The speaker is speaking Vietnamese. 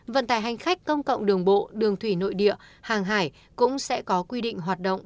vận tải hành khách công cộng đường bộ đường thủy nội địa hàng hải cũng sẽ có quy định hoạt động